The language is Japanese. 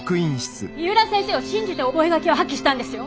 三浦先生を信じて覚書を破棄したんですよ。